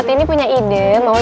eh mak tau